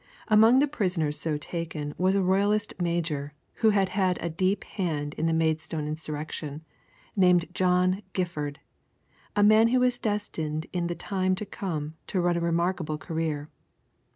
Among the prisoners so taken was a Royalist major who had had a deep hand in the Maidstone insurrection, named John Gifford, a man who was destined in the time to come to run a remarkable career.